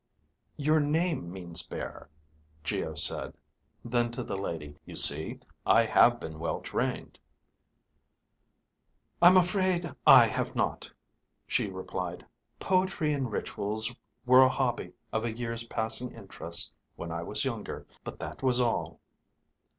"Your name means bear," Geo said. Then to the lady, "You see, I have been well trained." "I'm afraid I have not," she replied. "Poetry and rituals were a hobby of a year's passing interest when I was younger. But that was all."